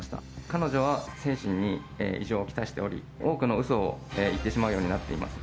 彼女は精神に異常をきたしており、多くのうそを言ってしまうようになっています。